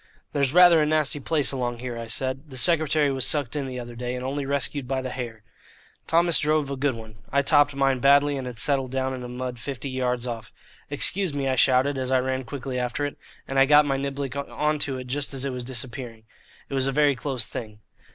"There's rather a nasty place along here," I said. "The secretary was sucked in the other day, and only rescued by the hair." Thomas drove a good one. I topped mine badly, and it settled down in the mud fifty yards off. "Excuse me," I shouted, as I ran quickly after it, and I got my niblick on to it, just as it was disappearing. It was a very close thing.